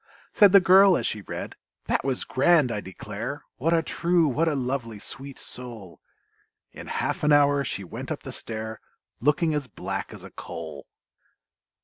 Said the girl as she read, "That was grand, I declare! What a true, what a lovely, sweet soul!" In half an hour she went up the stair, Looking as black as a coal!